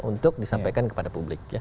untuk disampaikan kepada publik